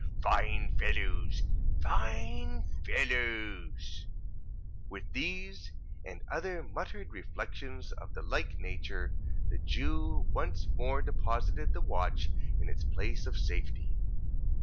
Fine fellows! Fine fellows!" With these, and other muttered reflections of the like nature, the Jew once more deposited the watch in its place of safety.